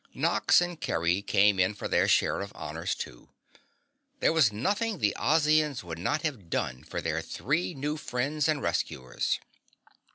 Nox and Kerry came in for their share of honors, too. There was nothing the Ozians would not have done for their three new friends and rescuers.